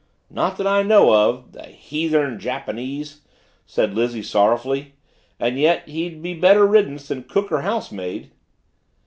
"Not that I know of the heathern Japanese!" said Lizzie sorrowfully. "And yet he'd be better riddance than cook or housemaid."